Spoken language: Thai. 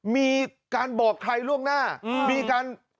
มีการบอกใครล่วงหน้ามีการ